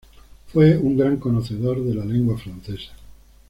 Fue un gran conocedor de la lengua francesa.